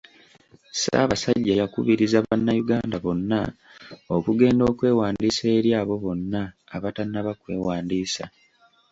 Ssaabasajja yakubiriza bannayuganda bonna okugenda okwewandiisa eri abo bonna abatannaba kwewandiisa.